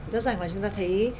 rất rảnh là chúng ta thấy